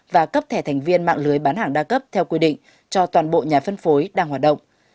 và cấp thẻ thành viên mạng lưới bán hàng đa cấp theo quy định cho toàn bộ nhà phân phối đang hoạt động